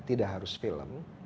tidak harus film